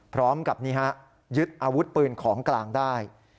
พร้อมกับนี่ฮะยึดอาวุธปืนของกลางได้